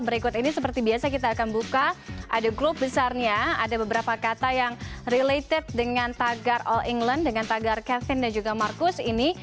berikut ini seperti biasa kita akan buka ada grup besarnya ada beberapa kata yang related dengan tagar all england dengan tagar kevin dan juga marcus ini